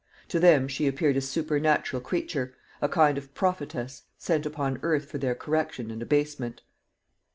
To them she appeared a supernatural creature a kind of prophetess, sent upon earth for their correction and abasement.